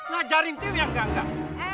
ngajarin tv yang enggak enggak